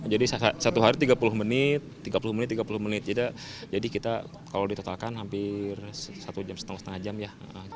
jadi satu hari tiga puluh menit tiga puluh menit tiga puluh menit jadi kita kalau ditotalkan hampir satu jam setengah setengah jam ya